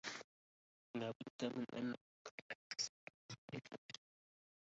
لا بد من أنه كان اتصالا زائفا.